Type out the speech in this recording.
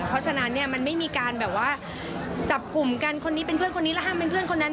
เพราะฉะนั้นเนี่ยมันไม่มีการแบบว่าจับกลุ่มกันคนนี้เป็นเพื่อนคนนี้แล้วห้ามเป็นเพื่อนคนนั้น